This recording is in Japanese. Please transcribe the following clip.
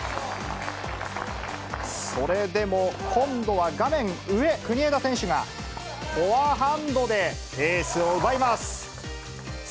それでも今度は画面上、国枝選手がフォアハンドでペースを奪います。